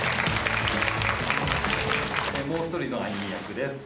もう１人のアニー役です。